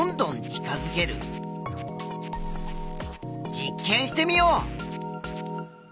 実験してみよう！